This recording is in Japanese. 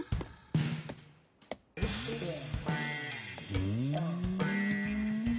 うん？